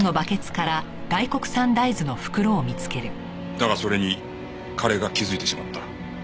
だがそれに彼が気づいてしまった。